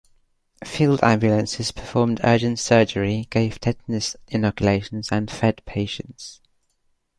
Field ambulances performed urgent surgery, gave tetanus inoculations and fed patients.